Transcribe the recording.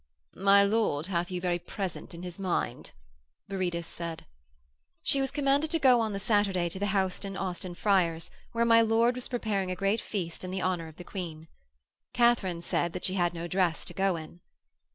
'My lord hath you very present in his mind,' Viridus said. She was commanded to go on the Saturday to the house in Austin Friars, where my lord was preparing a great feast in the honour of the Queen. Katharine said that she had no dress to go in.